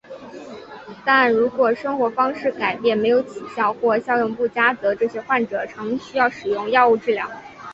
但如果生活方式改变没有起效或效用不佳则这些患者常需要使用药物治疗。